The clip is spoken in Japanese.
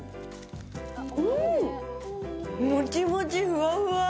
うん、もちもちふわふわ。